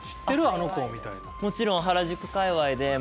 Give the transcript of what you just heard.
あの子」みたいな。